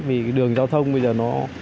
vì đường giao thông bây giờ nó